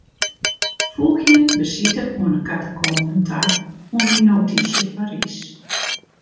Foegje besite oan 'e katakomben ta oan myn notysje Parys.